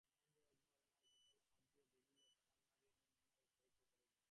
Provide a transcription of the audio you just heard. মহেন্দ্র একবার মার কপালে হাত দিয়া দেখিল, তাঁহার নাড়ী পরীক্ষা করিল।